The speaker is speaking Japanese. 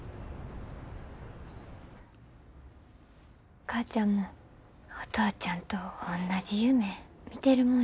お母ちゃんもお父ちゃんとおんなじ夢みてるもんやと思ってた。